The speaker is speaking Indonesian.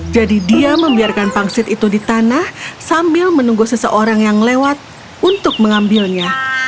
jadi dia membiarkan pangsit itu di tanah sambil menunggu seseorang yang lewat untuk mengambilnya